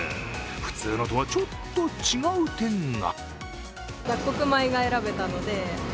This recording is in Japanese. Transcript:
普通のとは、ちょっと違う点が。